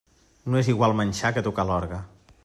No és igual manxar que tocar l'orgue.